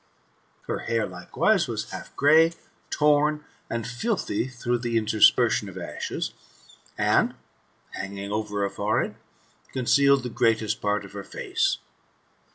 Her hair, likewise, was half grey, torn, and filthy through the interspersion of ashes, and hanging over her forehead, concealed the greatest part of her face.